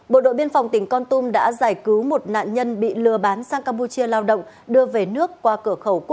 bộ đội biên phòng tỉnh con tum đã giải cứu một nạn nhân bị lừa bán sang campuchia lao động đưa về nước qua cửa khẩu quốc tế